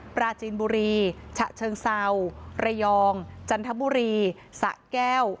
ปราจีนบุรีฉะเชิงเซาระยองจันทบุรีสะแก้ว